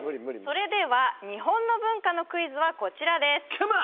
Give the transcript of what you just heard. それでは日本の文化のクイズはこちらです